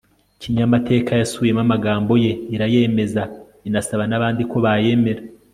kinyamateka yasubiyemo amagambo ye, irayemeza, inasaba n'abandi ko bayemera